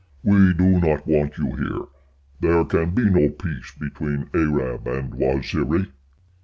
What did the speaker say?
"We do not want you here. There can be no peace between Arab and Waziri."